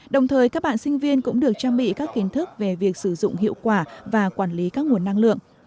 đồng thời các bạn sinh viên cũng được trang bị các kiến thức về việc sử dụng hiệu quả và quản lý các nguồn năng lượng